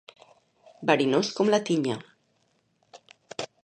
Verinós com la tinya.